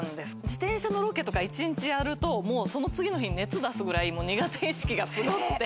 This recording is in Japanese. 自転車のロケとか１日やると、次の日、熱が出るくらい苦手意識がすごくて。